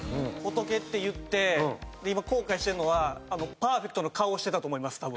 仏って言って今後悔してるのはパーフェクトの顔をしてたと思います